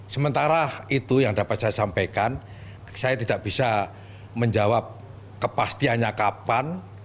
sementara itu yang dapat saya sampaikan saya tidak bisa menjawab kepastiannya kapan